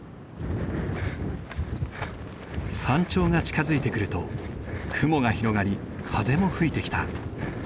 山頂が近づいてくると雲が広がり風も吹いてきた。